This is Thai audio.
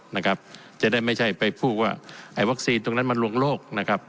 นะครับจะได้ไม่ใช่ไปพูดว่าไอ้วัคซีนตรงนั้นมันลวงโลกนะครับ